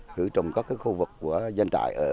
hữu trồng các khu vực của dân trại ở